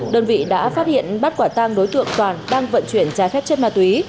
đơn vị đã phát hiện bắt quả tang đối tượng toàn đang vận chuyển trái phép chất ma túy